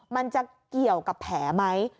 มันจะเกี่ยวกับแผลไหม